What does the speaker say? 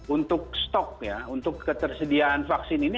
untuk stok ya untuk ketersediaan vaksin ini